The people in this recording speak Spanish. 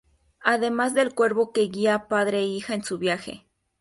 Además del cuervo que guía a padre e hija en su viaje.